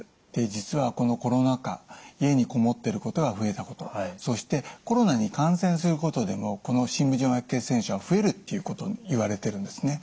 実はこのコロナ禍家にこもっていることが増えたことそしてコロナに感染することでもこの深部静脈血栓症が増えるっていうこといわれているんですね。